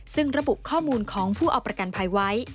ซึ่งระบุข้อมูลของผู้เอาประกันภัยไว้